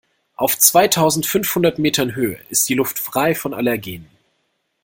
Auf zweitausendfünfhundert Metern Höhe ist die Luft frei von Allergenen.